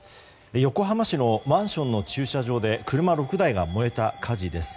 横浜市のマンションの駐車場で車６台が燃えた火事です。